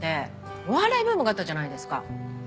お笑いブームがあったじゃないですか。